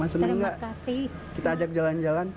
ma senang enggak kita ajak jalan jalan